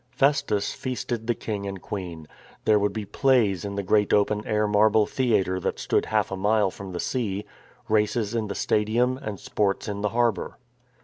^ Festus feasted the King and Queen. There would be plays in the great open air marble theatre that stood half a mile from the sea, races in the stadium and sports in the harbour.